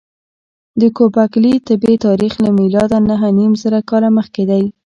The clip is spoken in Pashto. د ګوبک لي تپې تاریخ له میلاده نههنیمزره کاله مخکې دی.